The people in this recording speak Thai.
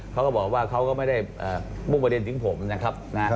เขาก็บอกว่าเขาก็ไม่ได้มุ่งประเด็นถึงผมนะครับ